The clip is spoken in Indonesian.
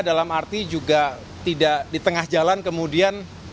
dalam arti juga tidak di tengah jalan kemudian